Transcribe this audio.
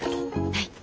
はい。